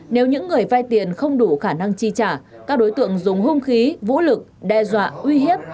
nếu những người vay tiền không đủ khả năng chi trả các đối tượng dùng hung khí vũ lực đe dọa uy hiếp